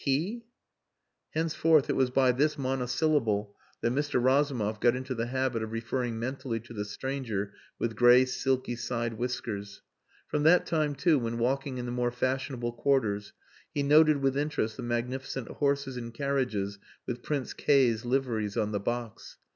"He!" Henceforth it was by this monosyllable that Mr. Razumov got into the habit of referring mentally to the stranger with grey silky side whiskers. From that time too, when walking in the more fashionable quarters, he noted with interest the magnificent horses and carriages with Prince K 's liveries on the box.